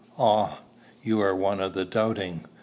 "Ah, you are one of the doubting!"